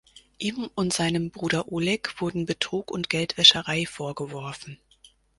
Ihm und seinem Bruder Oleg wurden Betrug und Geldwäscherei vorgeworfen.